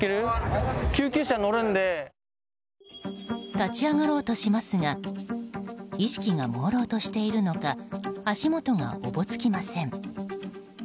立ち上がろうとしますが意識がもうろうとしているのか足元がおぼつきません。